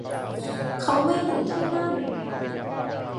เขาไม่อยู่ที่นั่น